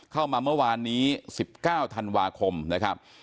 เมื่อวานนี้๑๙ธันวาคมนะครับ